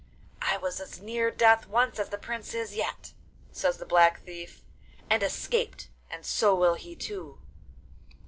'I was as near death once as the prince is yet,' says the Black Thief, 'and escaped; and so will he too.